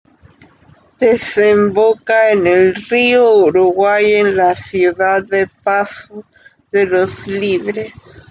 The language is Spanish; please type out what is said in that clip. Desemboca en el río Uruguay en la ciudad de Paso de los Libres.